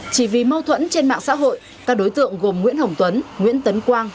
chỉ vì mâu thuẫn trên mạng xã hội các đối tượng gồm nguyễn hồng tuấn nguyễn tấn quang